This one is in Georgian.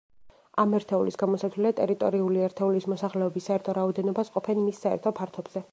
ამ ერთეულის გამოსათვლელად ტერიტორიული ერთეულის მოსახლეობის საერთო რაოდენობას ყოფენ მის საერთო ფართობზე.